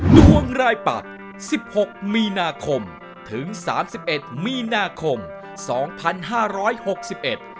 ตรวงรายปัตย์๑๖มีนาคมถึง๓๑มีนาคมสองพันห้าร้อยหกสิบเอ็ด